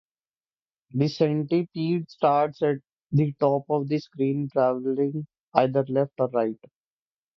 The centipede starts at the top of the screen, traveling either left or right.